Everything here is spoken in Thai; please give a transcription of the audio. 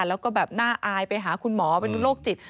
แล้วก็แบบน่าอายไปหาคุณหมอเป็นโรคจิต